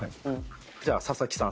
じゃあ佐々木さん